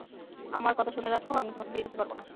আমার কথা শুনে রাখো, আমি তোমাকে বিয়ে করতে পারব না।